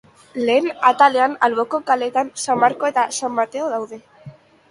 Lehen atalean, alboko kaleetan, San Marko eta San Mateo daude.